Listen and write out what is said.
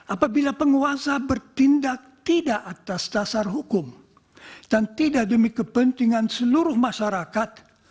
apabila penguasa bertindak tidak atas dasar hukum dan tidak demi kepentingan seluruh masyarakat